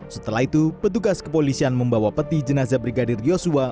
setelah itu petugas kepolisian membawa peti jenazah brigadir yosua